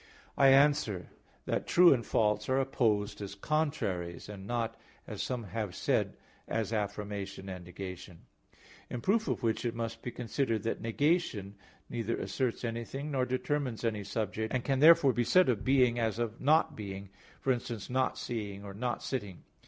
I answer that, True and false are opposed as contraries, and not, as some have said, as affirmation and negation. In proof of which it must be considered that negation neither asserts anything nor determines any subject, and can therefore be said of being as of not being, for instance not seeing or not sitting.